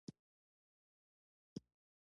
زغال د افغانستان د اقلیمي نظام ښکارندوی ده.